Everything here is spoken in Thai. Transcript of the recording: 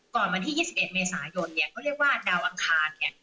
ก่อนวันที่ยี่สิบเอ็ดเมษายนเนี้ยก็เรียกว่าดาวอังคารเนี้ย